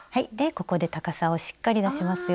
ここで高さをしっかり出しますよ。